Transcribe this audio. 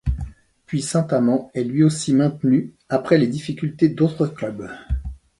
Puis Saint-Amand est lui aussi maintenu après les difficultés d'autres clubs.